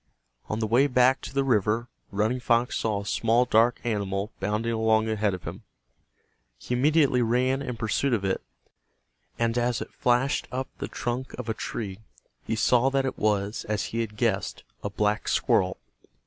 On the way back to the river Running Fox saw a small dark animal bounding along ahead of him. He immediately ran in pursuit of it, and as it flashed up the trunk of a tree he saw that it was, as he had guessed, a black squirrel.